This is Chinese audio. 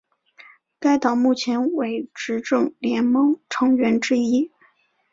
该党目前为执政联盟成员之一。